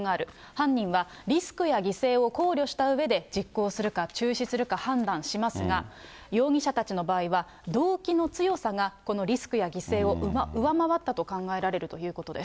犯人はリスクや犠牲を考慮したうえで、実行するか、中止するか判断しますが、容疑者たちの場合は、動機の強さが、このリスクや犠牲を上回ったと考えられるということです。